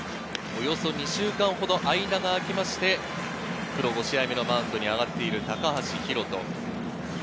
およそ２週間ほど間が空いてプロ５試合目のマウンドに上がっている高橋宏斗。